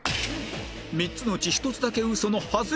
３つのうち１つだけウソのハズレ旅